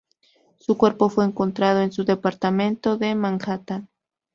Su cuerpo fue encontrado en su departamento de Manhattan.